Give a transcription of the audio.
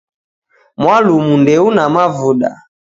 Mwalumu ndeuna mavuda